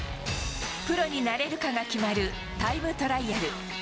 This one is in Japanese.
プロになれるかが決まるタイムトライアル。